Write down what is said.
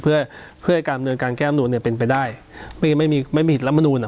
เพื่อเพื่อให้การบริเวณการแก้ธรรมนูญเนี้ยเป็นไปได้ไม่ไม่มีไม่มีเหตุรัฐมนูญอ่ะ